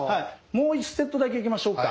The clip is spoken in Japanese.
もう１セットだけいきましょうか。